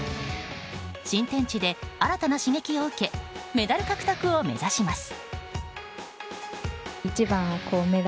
新天地で新たな刺激を受けメダル獲得を目指します。